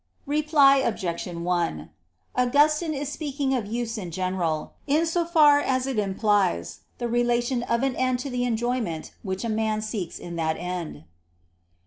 Reply Obj. 1: Augustine is speaking of use in general, in so far as it implies the relation of an end to the enjoyment which a man seeks in that end.